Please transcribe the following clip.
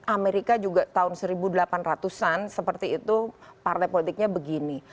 amerika juga tahun seribu delapan ratus an seperti itu partai politiknya begini